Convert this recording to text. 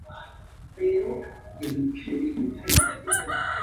Es independiente.